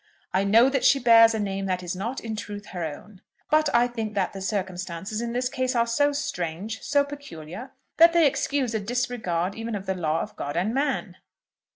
I know that she bears a name that is not, in truth, her own; but I think that the circumstances in this case are so strange, so peculiar, that they excuse a disregard even of the law of God and man."